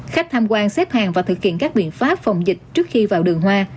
khách tham quan xếp hàng và thực hiện các biện pháp phòng dịch trước khi vào đường hoa